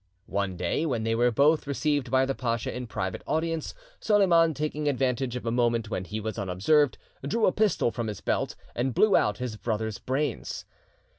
One day, when they were both received by the pacha in private audience, Soliman, taking advantage of a moment when he was unobserved, drew a pistol from his belt and blew out his brother's brains.